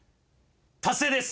達成です！